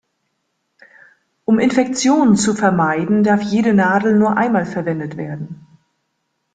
Um Infektionen zu vermeiden, darf jede Nadel nur einmal verwendet werden.